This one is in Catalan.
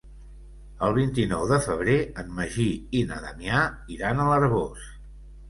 El vint-i-nou de febrer en Magí i na Damià iran a l'Arboç.